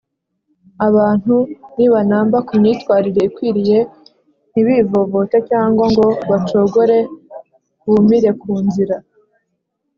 abantu nibanamba ku myitwarire ikwiriye, ntibivovote cyangwa ngo bacogore bumire ku nzira,